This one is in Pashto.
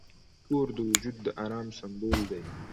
کور د وجود د آرام سمبول دی.